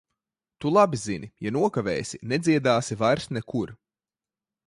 Tu labi zini - ja nokavēsi, nedziedāsi vairs nekur.